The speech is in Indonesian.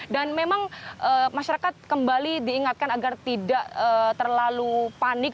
dan memang masyarakat kembali diingatkan agar tidak terlalu panik